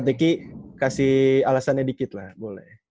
nanti kita nunggu sedikit lah